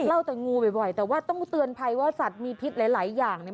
เล่าแต่งูบ่อยแต่ว่าต้องเตือนภัยว่าสัตว์มีพิษหลายหลายอย่างเนี่ย